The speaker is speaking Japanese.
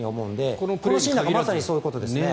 このプレーなんかまさにそういうことですね。